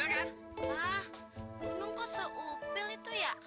hah gunung kok seupil itu ya